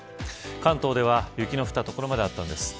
関東では雪の降った所まであったんです。